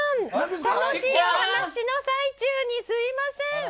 楽しいお話の最中にすいません。